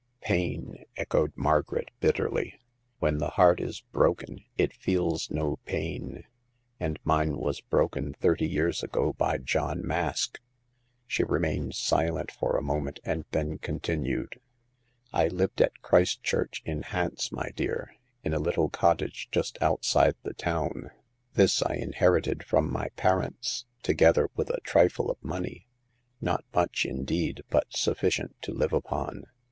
"Pain," echoed Margaret, bitterly. "When the heart is broken it feels no pain, and mine was broken thirty years ago by John Mask." She re mained silent for a moment, and then continued :" I lived at Christchurch, in Hants, my dear, in a little cottage just outside the town. This I in herited from my parents, together with a trifle of money — not much, indeed, but sufficient to live upon.